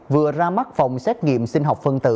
vừa ra mắt phòng xét nghiệm sinh học phân tử